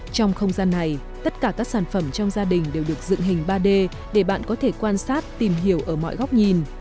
trong không gian này tất cả các sản phẩm trong gia đình đều được dựng hình ba d để bạn có thể quan sát tìm hiểu ở mọi góc nhìn